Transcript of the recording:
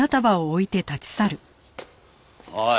おい。